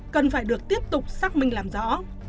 cần phải được tiếp tục xác minh làm rõ